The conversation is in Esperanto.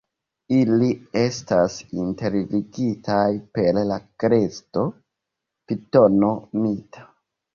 Ili estas interligitaj per la kresto Pitono Mita.